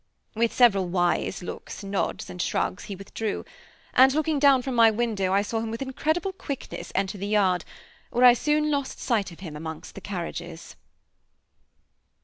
With several wise looks, nods and shrugs, he withdrew; and looking down from my window, I saw him with incredible quickness enter the yard, where I soon lost sight of him among the carriages.